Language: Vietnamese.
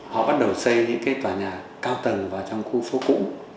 họ bắt đầu xây những cái tòa nhà cao tầng vào trong khu phố cũ